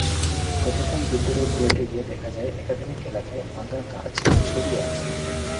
গতকাল দুপুরে বুয়েটে গিয়ে দেখা যায়, একাডেমিক এলাকায় ভাঙা কাচ ছড়িয়ে আছে।